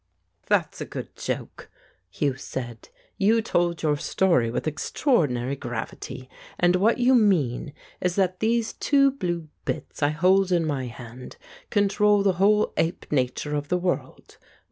"That's a good joke," Hugh said. "You told your story with extraordinary gravity. And what you mean is that those two blue bits I hold in my hand control the whole ape nature of the world?